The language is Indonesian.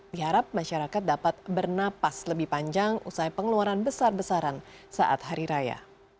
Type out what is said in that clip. diharap masyarakat dapat bernapas lebih panjang usai pengeluaran besar besaran saat hari raya